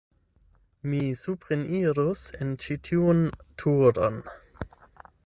Mi suprenirus en ĉi tiun turon.